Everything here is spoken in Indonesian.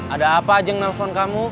ada apa ajeng nelfon kamu